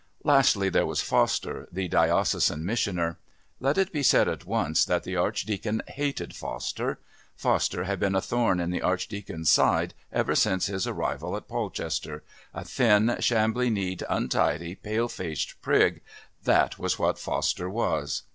Lastly there was Foster, the Diocesan Missioner. Let it be said at once that the Archdeacon hated Foster. Foster had been a thorn in the Archdeacon's side ever since his arrival in Polchester a thin, shambly kneed, untidy, pale faced prig, that was what Foster was!